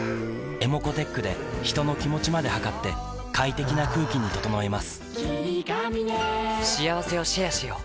ｅｍｏｃｏーｔｅｃｈで人の気持ちまで測って快適な空気に整えます